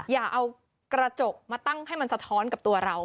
อย่าเอากระจกมาตั้งให้มันสะท้อนกับตัวเรา